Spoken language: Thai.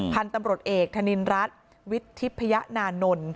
พันธุ์ตำรวจเอกธนินรัฐวิทธิพยนานนท์